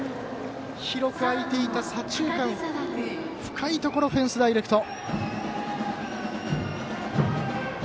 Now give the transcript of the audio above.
広く開いていた左中間深いところ、フェンスダイレクト。